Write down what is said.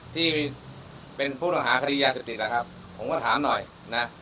ที่เป็นผู้ต้องหาคดียาเสพติดนะครับผมก็ถามหน่อยนะ